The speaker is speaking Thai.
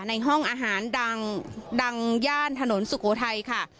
ในห้องอาหารดังย่านถนนสุโขทัยค่ะ